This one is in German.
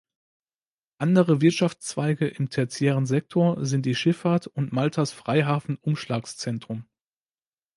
Andere Wirtschaftszweige im tertiären Sektor sind die Schifffahrt und Maltas Freihafen-Umschlagszentrum.